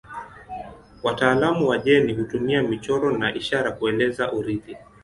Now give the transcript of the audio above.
Wataalamu wa jeni hutumia michoro na ishara kueleza urithi.